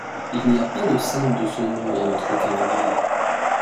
Il n'y a pas de sainte de ce nom dans notre calendrier.